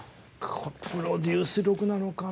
これプロデュース力なのかな。